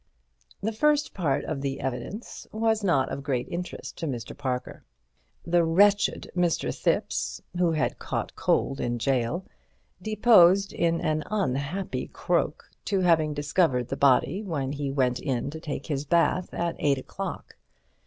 The first part of the evidence was not of great interest to Mr. Parker. The wretched Mr. Thipps, who had caught cold in gaol, deposed in an unhappy croak to having discovered the body when he went in to take his bath at eight o'clock.